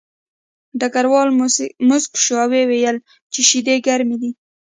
ډګروال موسک شو او ویې ویل چې شیدې ګرمې دي